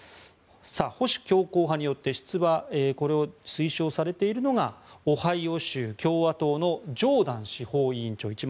保守強硬派によって出馬を推奨されているのがオハイオ州共和党のジョーダン司法委員長一番